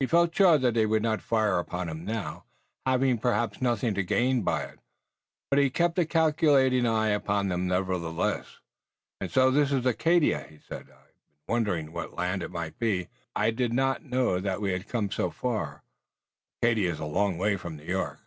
He felt sure that they would not fire upon him now, having perhaps nothing to gain by it, but he kept a calculating eye upon them nevertheless. "And so this is Acadia," he said. "I've been wondering what land it might be. I did not know that we had come so far. Acadia is a long way from New York."